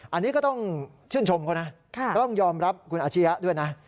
อันนี้ก็ต้องชื่นชมเขานะต้องยอมรับคุณอาชียะด้วยนะ